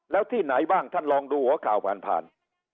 แล้วที่ไหนบ้างท่านลองดูหัวข่าวผ่าน